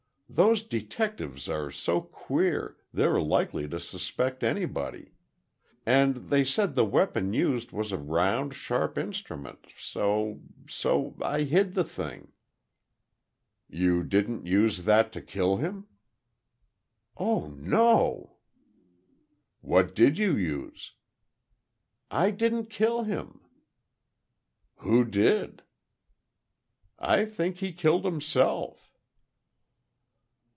"Those detectives are so queer, they're likely to suspect anybody. And they said the weapon used was a round, sharp instrument, so—so I hid the thing." "You didn't use that to kill him?" "Oh, no!" "What did you use?" "I didn't kill him." "Who did?" "I think he killed himself."